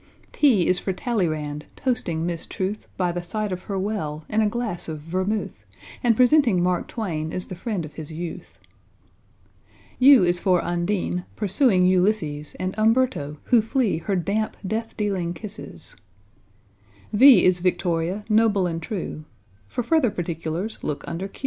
=T= is for =T=alleyrand toasting Miss =T=ruth, By the side of her well, in a glass of vermouth, And presenting Mark =T=wain as the friend of his youth. =U= is for =U=ndine, pursuing =U=lysses And =U=mberto, who flee her damp, death dealing kisses. =V= is =V=ictoria, noble and true _For further particulars look under Q.